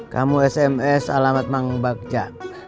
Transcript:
kamu sms alamat mang bagja